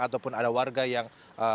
ataupun ada warga yang